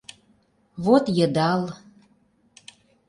Вот йыдал...